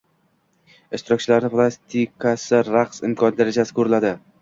Ishtirokchilarni plastikasi raqs imkon darajasi ko‘riladi.